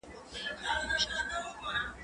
زه مخکي لاس مينځلي و،